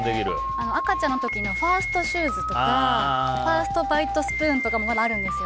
赤ちゃんの時のファーストシューズとかファーストバイトスプーンとかまだあるんですよ。